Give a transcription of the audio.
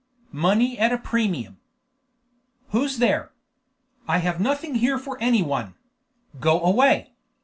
MONEY AT A PREMIUM "Who's there? I have nothing here for anyone. Go away!"